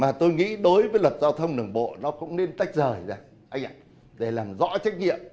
và tôi nghĩ đối với luật giao thông đường bộ nó cũng nên tách rời ra anh ạ để làm rõ trách nhiệm